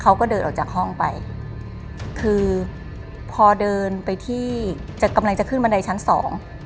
เขาก็เดินออกจากห้องไปคือพอเดินไปที่จะกำลังจะขึ้นบันไดชั้นสอง